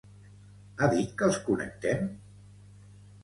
Ha dit que els connectem?